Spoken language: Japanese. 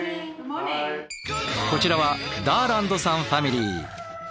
こちらはダーランドさんファミリー。